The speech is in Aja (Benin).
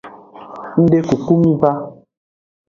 Ngdekuku miva.